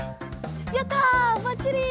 やったばっちり！